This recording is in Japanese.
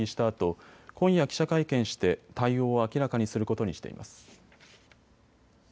あと今夜記者会見して対応を明らかにすることにしています。